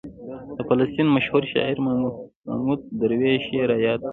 د فلسطین مشهور شاعر محمود درویش یې رایاد کړ.